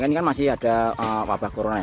ini kan masih ada wabah corona ya